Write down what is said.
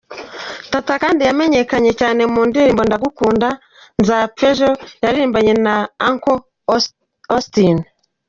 Tata kandi yamenyekanye cyane mu ndirimbo Ndagukunda Nzapfa Ejo yaririmbanye na Uncle Austin.